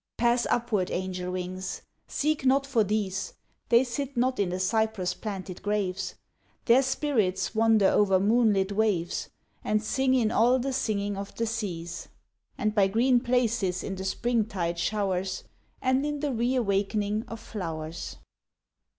Pass upward angel wings! Seek not for these, They sit not in the cypress planted graves; Their spirits wander over moonlit waves, And sing in all the singing of the seas; And by green places in the spring tide showers, And in the re awakening of flowers.